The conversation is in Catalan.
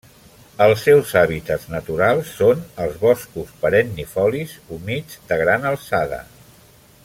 Els seus hàbitats naturals són els boscos perennifolis humits de gran alçada.